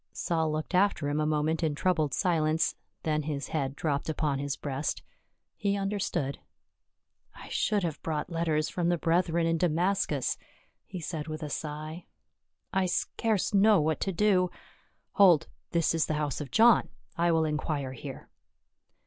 Saul looked after him a moment in troubled silence, then his head dropped upon his breast. He understood. " I should have brought letters from the brethren in Damascus," he said with a sigh. " I scarce know what to do — Hold, this is the house of John, I will inquire here."